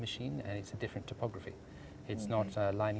bukan berdekatan di pantai seperti di sini